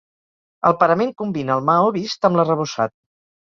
El parament combina el maó vist amb l'arrebossat.